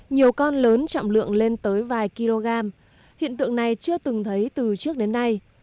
nhiều con lớn trọng lượng lên tới vài kg hiện tượng này chưa từng thấy từ trước đến nay